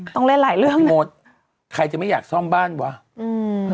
ต้องเล่นหลายเรื่องหมดใครจะไม่อยากซ่อมบ้านวะอืม